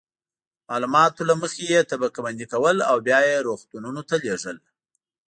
معلومات له مخې یې طبقه بندي کول او بیا یې روغتونونو ته لیږل.